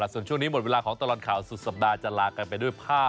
สวัสดีค่า